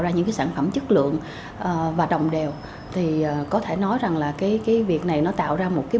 ra những cái sản phẩm chất lượng và đồng đều thì có thể nói rằng là cái việc này nó tạo ra một cái